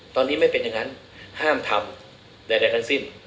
ตอนนี้ไม่เป็นอย่างนั้นห้ามทำใดทั้งสิ้น